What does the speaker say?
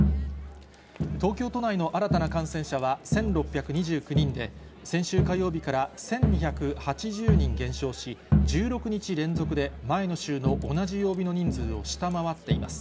東京都内の新たな感染者は、１６２９人で、先週火曜日から１２８０人減少し、１６日連続で前の週の同じ曜日の人数を下回っています。